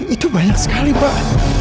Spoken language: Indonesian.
itu banyak sekali pak